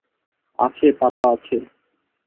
আছে পাপা আছে।